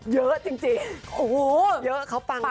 เยอะเขาปังมาก